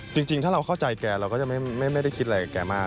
จริงถ้าเราเข้าใจแกเราก็จะไม่ได้คิดอะไรกับแกมาก